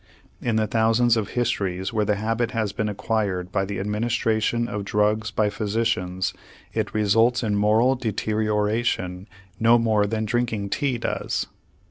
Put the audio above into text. In the thousands of histories where the habit has been acquired by the administration of drugs by physicians it results in moral deterioration no more than drinking tea does.